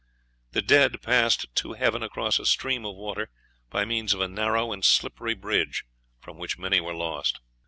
The dead passed to heaven across a stream of water by means of a narrow and slippery bridge, from which many were lost.